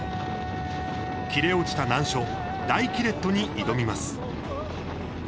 切れ落ちた難所大キレットに挑みます。